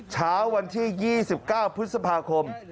เช้าวันที่๒๙พฤษภาคม